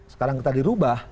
sekarang kita dirubah